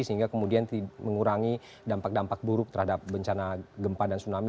sehingga kemudian mengurangi dampak dampak buruk terhadap bencana gempa dan tsunami